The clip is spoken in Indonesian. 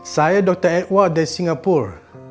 saya dr edward dari singapur